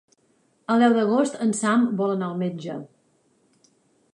El deu d'agost en Sam vol anar al metge.